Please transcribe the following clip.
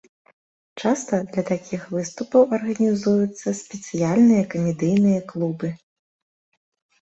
Часта для такіх выступаў арганізуюцца спецыяльныя камедыйныя клубы.